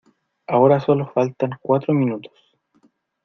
ahora solo faltan cuatro minutos.